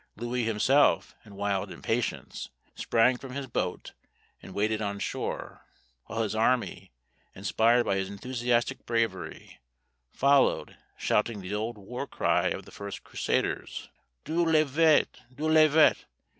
Louis himself, in wild impatience, sprang from his boat, and waded on shore; while his army, inspired by his enthusiastic bravery, followed, shouting the old war cry of the first Crusaders, _Dieu le veut! Dieu le veut!